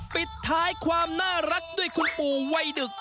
ปิดท้ายความน่ารักด้วยคุณปู่วัยดึก